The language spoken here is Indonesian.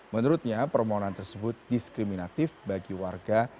menurutnya permohonan tersebut diskriminatif bagi warga